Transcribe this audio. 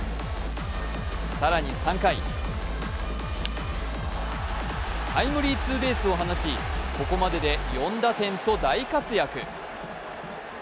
更に３回、タイムリーツーベースを放ちここまでで４打点と大活躍。